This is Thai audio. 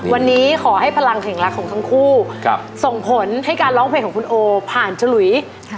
วันนี้ขอให้พลังแห่งรักของทั้งคู่ส่งผลให้การร้องเพลงของคุณโอผ่านฉลุย